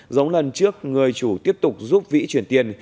giống lần trước người chủ tiếp tục giúp vĩ chuyển tiền